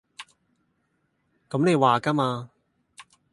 咁你話架嘛